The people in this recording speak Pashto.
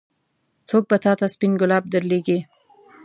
څوک به تا ته سپين ګلاب درلېږي.